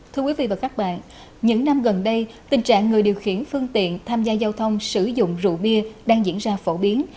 thưa quý vị và các bạn những năm gần đây tình trạng người điều khiển phương tiện tham gia giao thông sử dụng rượu bia đang diễn ra phổ biến